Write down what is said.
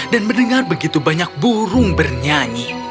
dan mendengar begitu banyak burung bernyanyi